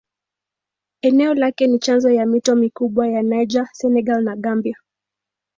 Eneo lake ni chanzo ya mito mikubwa ya Niger, Senegal na Gambia.